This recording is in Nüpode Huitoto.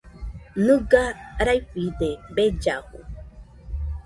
Nɨga raifide bellafu.